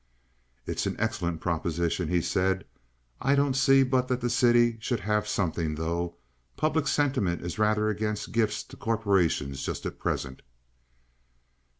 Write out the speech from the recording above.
"It's an excellent proposition," he said. "I don't see but that the city should have something, though. Public sentiment is rather against gifts to corporations just at present."